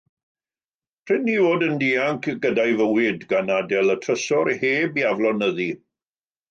Prin ei fod yn dianc gyda'i fywyd, gan adael y trysor heb ei aflonyddu.